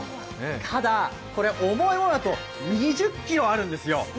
ただ、これ重いものだと２０ｋｇあるんですよ。